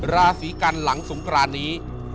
ราศีกันหลังสงครานนี้